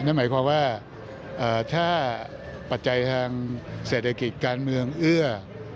นั่นหมายความว่าถ้าปัจจัยทางเศรษฐกิจการเมืองเอื้อ